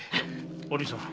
お凛さん